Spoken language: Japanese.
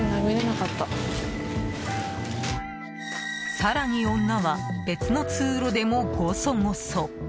更に女は別の通路でも、ゴソゴソ。